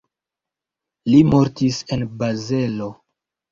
Li mortis en Bazelo.